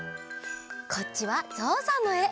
こっちは「ぞうさん」のえ！